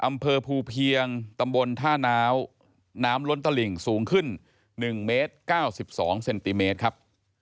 อำเภอภูเพียงตำบลท่านาวน้ำล้นตลิ่งสูงขึ้น๑เมตร๙๒เซนติเมตรครับ